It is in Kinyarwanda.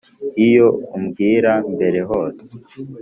iyo ubimbwira mbere hose